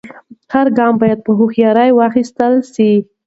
هر ګام باید په هوښیارۍ واخیستل سي.